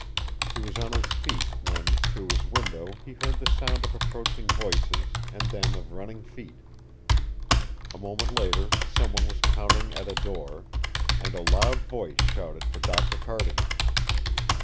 He was on his feet when through his window he heard the sound of approaching voices and then of running feet. A moment later some one was pounding at a door, and a loud voice shouted for Doctor Cardigan.